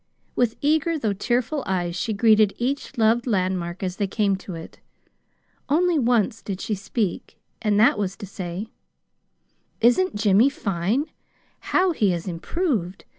With eager, though tearful eyes she greeted each loved landmark as they came to it. Only once did she speak, and that was to say: "Isn't Jimmy fine? How he has improved!